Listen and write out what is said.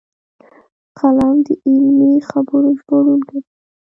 قلم د علمي خبرو ژباړونکی دی